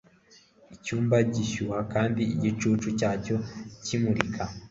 Icyumba gishyuha kandi igicucu cyacyo kimurika